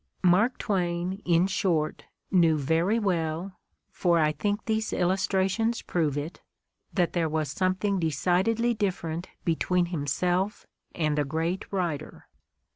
Mark Twain, in short, knew very well — for I think these illustrations prove it — that there was something decidedly different between himself and a great writer.